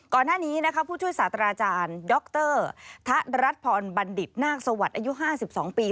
ก่อนหน้านี้นะคะผู้ช่วยศาสตราจารย์ดรทะรัฐพรบัณฑิตนาคสวัสดิ์อายุ๕๒ปี